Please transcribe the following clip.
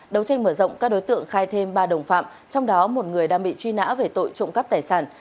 đấu tranh mở rộng các đối tượng khai thêm ba đồng phạm trong đó một người đang bị truy nã về tội trộm cắp tài sản